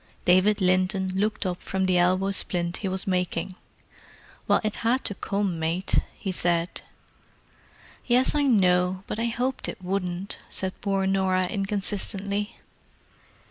David Linton looked up from the elbow splint he was making. "Well, it had to come, mate," he said. "Yes, I know. But I hoped it wouldn't!" said poor Norah inconsistently.